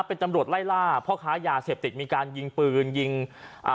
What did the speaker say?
เป็นตำรวจไล่ล่าพ่อค้ายาเสพติดมีการยิงปืนยิงอ่า